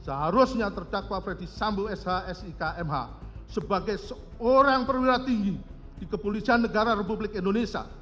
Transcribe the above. seharusnya terdakwa freddy sambu sh sik mh sebagai seorang perwira tinggi di kepulisan negara republik indonesia